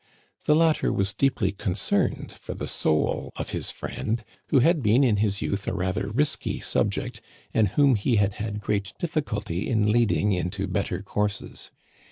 The latter was deeply concerned for the soul of his friend, who had been in his youth a rather risky subject, and whom he had had great difficulty in leading into better courses.